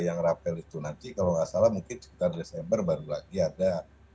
yang rapel itu nanti kalau nggak salah mungkin sekitar desember baru lagi ada